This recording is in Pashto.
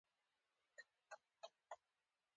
انسانيت درلودل تر ټولو ښۀ شتمني ده .